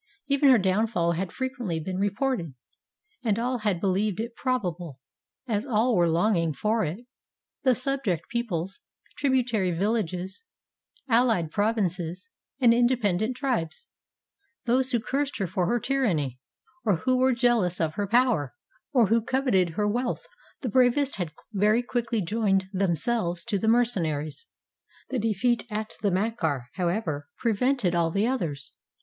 Even her downfall had frequently been reported, and all had believed it probable, as all were longing for it, — the subject peoples, tributary villages, allied provinces, and independent tribes: those who cursed her for her tyranny, or who were jealous of her power, or who coveted her wealth. The bravest had very quickly joined themselves to the mercenaries. The defeat at the Macar, however, prevented all the others.